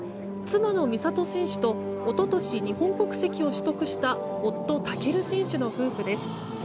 妻の美里選手と一昨年、日本国籍を取得した夫・尊選手の夫婦です。